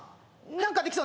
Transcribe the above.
何かできそう。